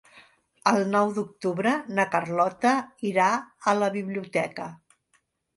El nou d'octubre na Carlota irà a la biblioteca.